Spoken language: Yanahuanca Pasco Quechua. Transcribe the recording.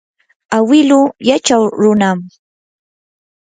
awilu yachaw runam.